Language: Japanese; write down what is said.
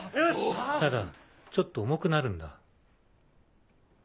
ただちょっと重くなるんだ。